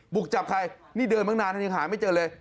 บุกจับใครนี่เดินมานานยังหาไม่เจอเลย